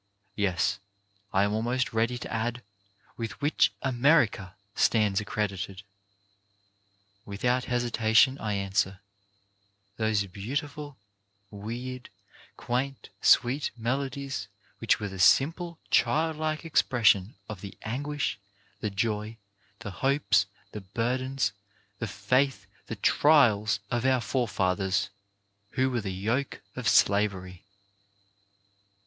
Yes, I am almost ready to add, with which America stands accredited ? Without hesitation I answer :— Those beautiful, weird, quaint, sweet melodies which were the simple, child like expression of the anguish, the joy, the hopes, the burdens, the faith, the trials of our forefathers who wore the yoke of slavery.